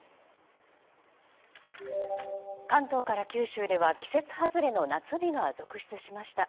関東から九州では季節外れの夏日が続出しました。